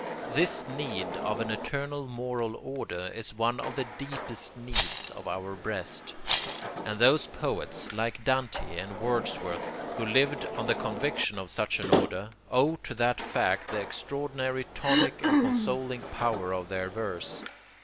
This need of an eternal moral order is one of the deepest needs of our breast. And those poets, like Dante and Wordsworth, who live on the conviction of such an order, owe to that fact the extraordinary tonic and consoling power of their verse.